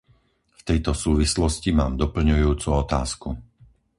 V tejto súvislosti mám doplňujúcu otázku.